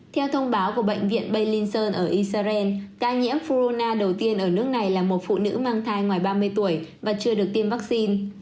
theo thông báo của bệnh viện baylinson ở israel ca nhiễm flona đầu tiên ở nước này là một phụ nữ mang thai ngoài ba mươi tuổi và chưa được tiêm vaccine